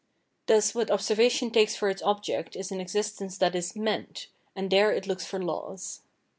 Thus, what observation takes for its object is an ex istence that is " meant "; and there it looks for laws.